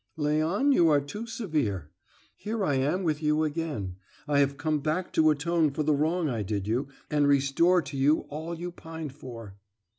"Léon, you are too severe. Here I am with you again. I have come back to atone for the wrong I did you, and restore to you all you pined for."